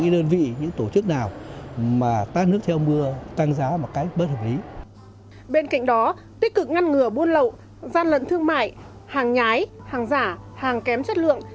tích cực ngăn ngừa buôn lậu gian lận thương mại hàng nhái hàng giả hàng kém chất lượng